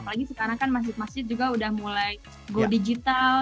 apalagi sekarang kan masjid masjid juga udah mulai go digital